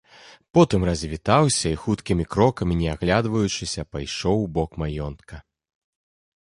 Потым развітаўся і хуткімі крокамі, не аглядваючыся, пайшоў у бок маёнтка.